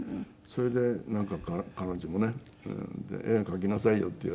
それでなんか彼女もね「絵描きなさいよ」って言われて。